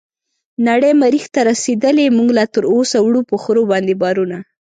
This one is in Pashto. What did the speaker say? نړۍ مريح ته رسيدلې موږ لا تراوسه وړو په خرو باندې بارونه